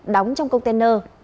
đóng trong công ty này